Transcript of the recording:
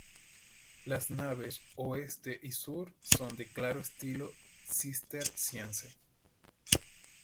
Las naves oeste y sur son de claro estilo cisterciense.